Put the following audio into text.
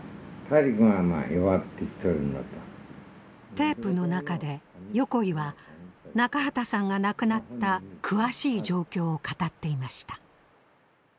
テープの中で横井は中畠さんが亡くなった詳しい状況を語っていました。